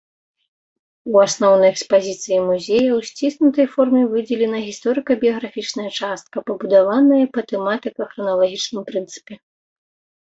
У асноўнай экспазіцыі музея ў сціснутай форме выдзелена гісторыка-біяграфічная частка, пабудаваная па тэматыка-храналагічным прынцыпе.